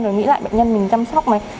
rồi nghĩ lại bệnh nhân mình chăm sóc này